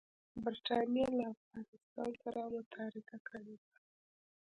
برټانیې له افغانستان سره متارکه کړې وه.